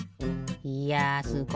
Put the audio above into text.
いやすごい！